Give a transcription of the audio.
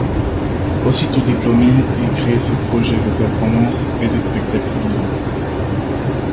Aussitôt diplômé, il crée ses projets de performance et de spectacle vivant.